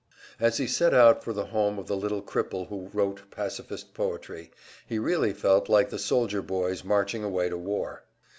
As he set out for the home of the little cripple who wrote pacifist poetry, he really felt like the soldier boys marching away to war.